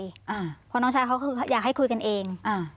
เพราะน้องชายเขาคืออยากให้คุยกันเองอ่า